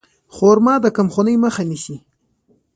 خرما د کمخونۍ مخه نیسي.